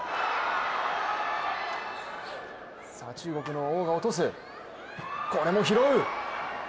中国のオウが落とすこれも拾う。